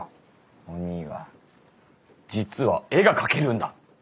おにぃは実は絵が描けるんだ！